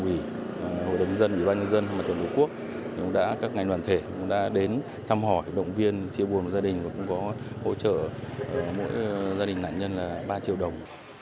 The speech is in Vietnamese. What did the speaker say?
ngay trong sáng nay chính quyền địa phương cũng đã thăm hỏi hỗ trợ gia đình nạn nhân